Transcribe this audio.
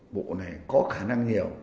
bộ này có khả năng hiểu